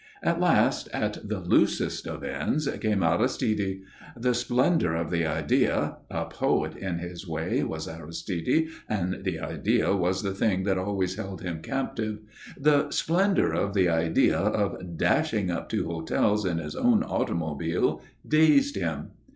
At last, at the loosest of ends, came Aristide. The splendour of the idea a poet, in his way, was Aristide, and the Idea was the thing that always held him captive the splendour of the idea of dashing up to hotels in his own automobile dazed him.